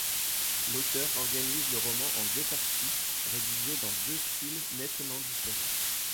L'auteur organise le roman en deux parties, rédigées dans deux styles nettement différents.